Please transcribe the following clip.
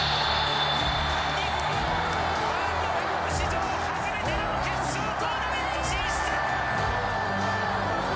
日本ワールドカップ史上初めての決勝トーナメント進出！